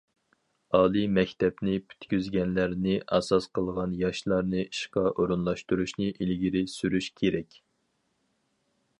ئالىي مەكتەپنى پۈتكۈزگەنلەرنى ئاساس قىلغان ياشلارنى ئىشقا ئورۇنلاشتۇرۇشنى ئىلگىرى سۈرۈش كېرەك.